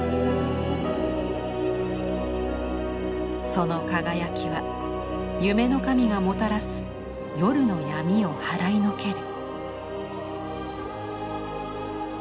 その輝きは夢の神がもたらす夜の闇を払いのける。